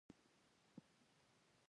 زمانشاه ډېر چټک پرمختګ کاوه.